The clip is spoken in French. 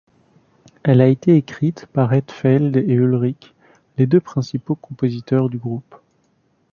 Elle a été écrite par Hetfield et Ulrich, les deux principaux compositeurs du groupe.